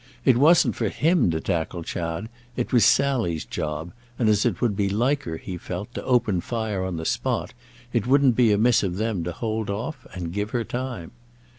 It wasn't for him to tackle Chad—it was Sally's job; and as it would be like her, he felt, to open fire on the spot, it wouldn't be amiss of them to hold off and give her time.